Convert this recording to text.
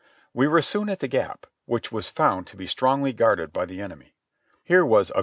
We were soon at the Gap, which was found to be strongly guarded by the enemy. Here was "a.